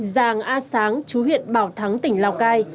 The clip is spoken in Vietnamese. giàng a sáng chú huyện bảo thắng tỉnh lào cai